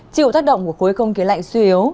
chịu tác động của khối không khí lạnh suy yếu